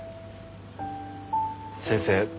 先生